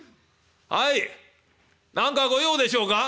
はい何か御用でしょうか？」。